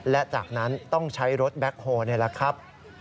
และจากนั้นต้องใช้รถแบ็คโฮนี่แหละครับ